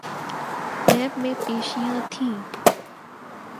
NAB میں پیشیاں تھیں۔